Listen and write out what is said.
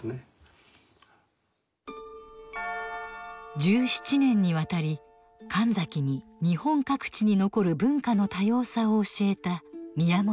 １７年にわたり神崎に日本各地に残る文化の多様さを教えた宮本常一。